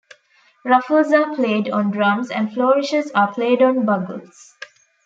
Ruffles are played on drums, and flourishes are played on bugles.